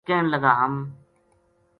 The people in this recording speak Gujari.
کہن لگا ہم